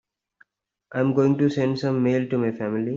I am going to send some mail to my family.